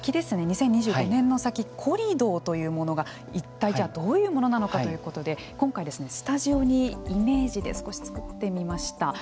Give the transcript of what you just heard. ２０２５年の先コリドーというものが一体どういうものなのかということで今回スタジオにイメージで少し作ってみました。